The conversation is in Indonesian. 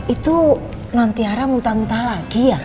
itu nantiara muntah muntah lagi ya